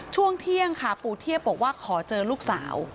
ช่วงเที่ยงค่ะปู่เทียบบอกว่าขอเจอลูกสาว